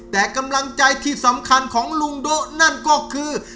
แต่กำลังใจที่สำคัญของลุงโด๊ะนั่นก็คือ